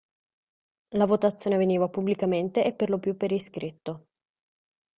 La votazione avveniva pubblicamente e per lo più per iscritto.